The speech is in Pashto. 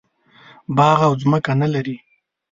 باغ او ځمکه نه لري.